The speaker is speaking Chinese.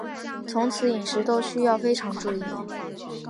从此饮食都需要非常注意